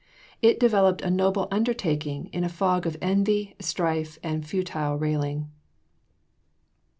It enveloped a noble undertaking in a fog of envy, strife, and futile railing.